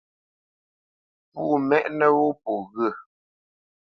Pǔ mɛ́ʼnə́ wó pô ŋghyə̂.